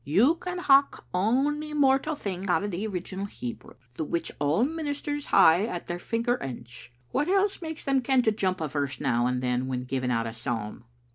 You can howk ony mortal thing out o' the original Hebrew, the which all ministers hae at their finger ends. What else makes them ken to jump a verse now and then when giving out a psalm?"